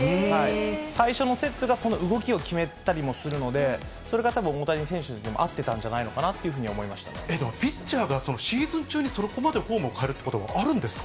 最初のセットでその動きを決めたりするので、それがたぶん大谷選手にも合ってたんじゃないのかなというふうにでも、ピッチャーがシーズン中に、そこまでフォームを変えるってことはあるんですか？